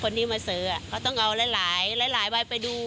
คนที่มาซื้อเขาต้องเอาหลายใบไปดู